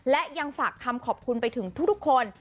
และยังฝากคำขอบคุณไปถึงทุกคน